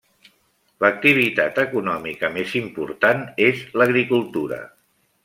L'activitat econòmica més important és l'agricultura.